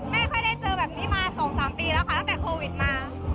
ไม่ค่อยได้เจอแบบนี้มา๒๓ปีแล้วค่ะตั้งแต่โควิดมา